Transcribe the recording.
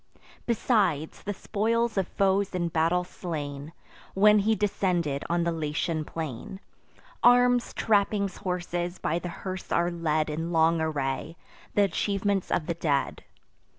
Besides, the spoils of foes in battle slain, When he descended on the Latian plain; Arms, trappings, horses, by the hearse are led In long array—th' achievements of the dead.